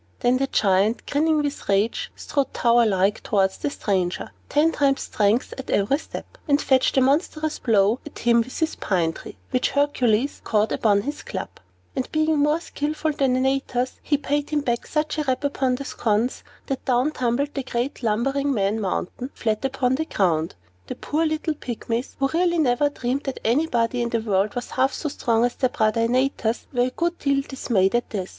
Then the Giant, grinning with rage, strode tower like towards the stranger (ten times strengthened at every step), and fetched a monstrous blow at him with his pine tree, which Hercules caught upon his club; and being more skilful than Antaeus, he paid him back such a rap upon the sconce, that down tumbled the great lumbering man mountain, flat upon the ground. The poor little Pygmies (who really never dreamed that anybody in the world was half so strong as their brother Antaeus) were a good deal dismayed at this.